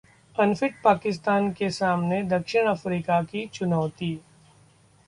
'Unfit' Pakistan के सामने द. अफ्रीका की चुनौती